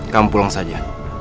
kamu pulang saja